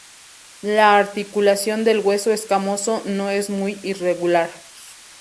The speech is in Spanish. La articulación del hueso escamoso no es muy irregular.